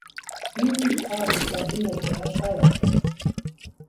این روزها حسابی حوصلهام سر رفته است.